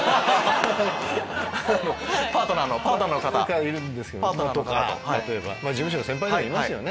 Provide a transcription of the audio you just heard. パートナーのパートナーの方。とか例えば事務所の先輩でもいますよね。